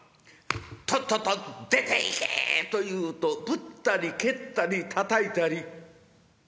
とっとと出ていけ！』と言うとぶったり蹴ったりたたいたり。